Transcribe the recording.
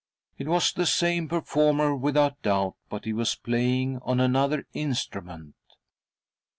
It was the same performer, without doubt, but'he was playing on another instrument.